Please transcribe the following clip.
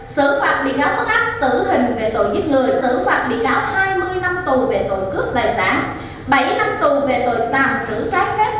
sử phạt bị cáo bất áp tử hình về tội giết người sử phạt bị cáo hai mươi năm tù về tội cướp tài sản bảy năm tù về tội tàng trữ trái phép